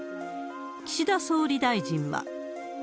岸田総理大臣は。